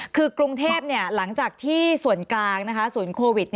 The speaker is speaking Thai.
คือกรุงเทพหลังจากที่ส่วนกลางศูนย์โควิด